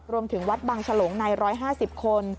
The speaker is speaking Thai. รวมถึงวัดบังฉลงใน๑๕๐คน